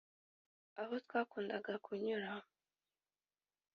aho twakundaga kunyura